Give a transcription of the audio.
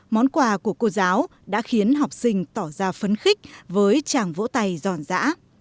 món quà của cô giáo đã khiến học sinh tỏ ra phấn khích với tràng vỗ tay giòn dã